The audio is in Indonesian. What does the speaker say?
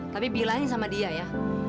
tapi bilangin sama dia ya